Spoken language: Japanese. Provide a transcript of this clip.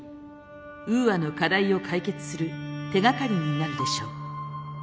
ウーアの課題を解決する手がかりになるでしょう。